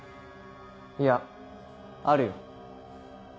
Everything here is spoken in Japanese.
いやあるよ。